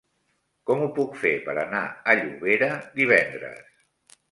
Com ho puc fer per anar a Llobera divendres?